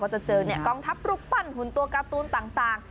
จะเจอกองทัพรูปปั้นหุ่นตัวการ์ตูนต่าง